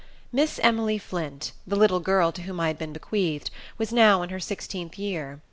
Miss Emily Flint, the little girl to whom I had been bequeathed, was now in her sixteenth year.